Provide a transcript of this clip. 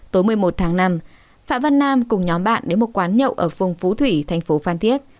tối một mươi một tháng năm phạm văn nam cùng nhóm bạn đến một quán nhậu ở phường phú thủy thành phố phan thiết